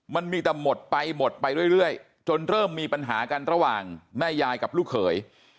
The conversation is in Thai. มันมีแต่หมดไปหมดไปเรื่อยจนเริ่มมีปัญหากันระหว่างแม่ยายกับลูกเขย